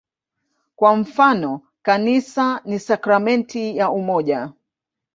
Kwa mfano, "Kanisa ni sakramenti ya umoja".